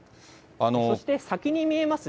そして先に見えます